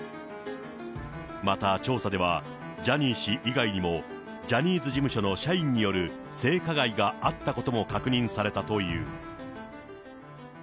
また、調査では、ジャニー氏以外にも、ジャニーズ事務所の社員による性加害があったことも確認されたという。